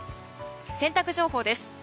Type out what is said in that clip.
洗濯情報です。